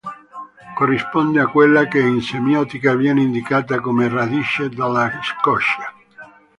Corrisponde a quella che in semeiotica viene indicata come radice della coscia.